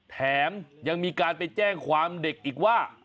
แถมยังมีการไปแจ้งความเด็กอีกว่า